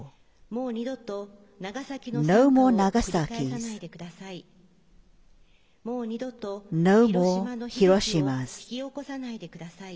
もう二度と、広島の悲劇を引き起こさないでください。